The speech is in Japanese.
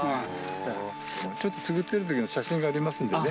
ちょっと作ってる時の写真がありますんでね。